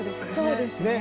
そうですね。